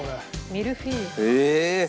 ミルフィーユか。